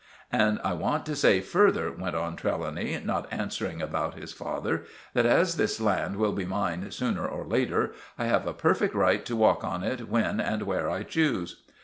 "And I want to say further," went on Trelawny, not answering about his father, "that as this land will be mine sooner or later, I have a perfect right to walk on it when and where I choose."